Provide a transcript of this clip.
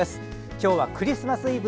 今日はクリスマスイブ。